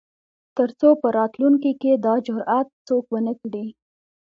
تر څو په راتلونکو کې دا جرات څوک ونه کړي.